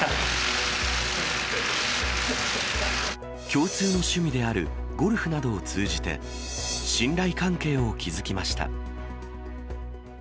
共通の趣味であるゴルフなどを通じて、信頼関係を築きました。